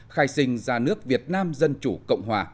khai sinh ra nước việt nam dân chủ cộng hòa